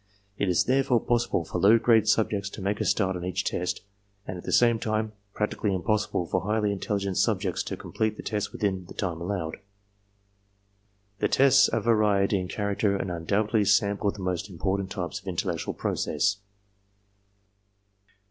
It is therefore possible for low grade subjects to make a start on each test, and, at the same time, practically impossible for highly intelli gent subjects to complete the tests within the time allowed. The tests are varied in character and undoubtedly sample the most important types of intellectual process.